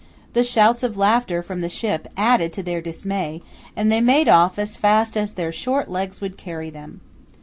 The shouts of laughter from the ship added to their dismay, and they made off as fast as their short legs would carry them.